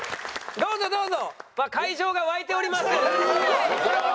どうぞどうぞ。